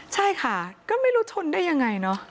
ใช่ค่ะก็ไม่รู้ชนได้ยังไงเนอะ